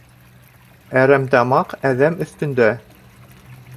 Әрәмтамаҡ әҙәм өҫтөндә.